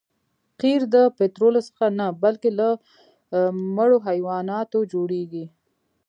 قیر د پطرولو څخه نه بلکې له مړو حیواناتو جوړیږي